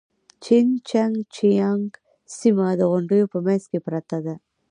جين چنګ جيانګ سيمه د غونډيو په منځ کې پرته ده.